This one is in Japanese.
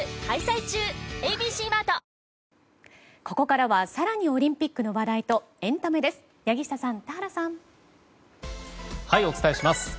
ここからは更にオリンピックの話題とエンタメです。